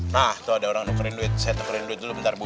nah tuh ada orang nukerin duit saya dengerin duit dulu bentar bu